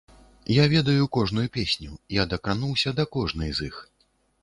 Я ведаю кожную песню, я дакрануўся да кожнай з іх.